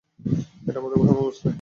এটা আমাদের সময়, বুঝলে?